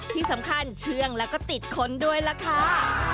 ที่สำคัญเชื่องแล้วก็ติดค้นด้วยล่ะค่ะ